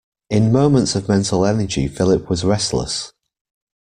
In moments of mental energy Philip was restless.